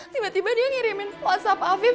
tiba tiba dia ngirimin whatsapp afif